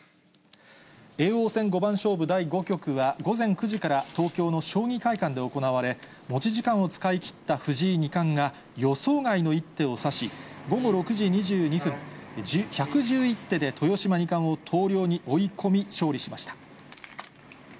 叡王戦五番勝負第５局は、午前９時から東京の将棋会館で行われ、持ち時間を使い切った藤井二冠が、予想外の一手を指し、午後６時２２分、１１１手で豊島二冠を投了に追い込み、勝利しました。